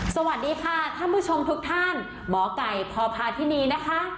สวัสดีค่ะท่านผู้ชมทุกท่านหมอไก่พพาธินีนะคะ